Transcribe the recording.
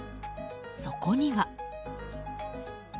そこには。